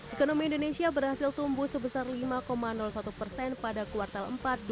ekonomi indonesia berhasil tumbuh sebesar lima satu persen pada kuartal empat dua ribu dua puluh